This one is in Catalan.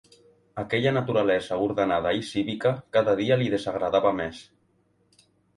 Aquella naturalesa ordenada i cívica cada dia li desagradava més